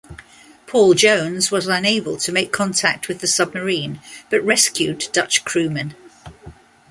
"Paul Jones" was unable to make contact with the submarine, but rescued Dutch crewmen.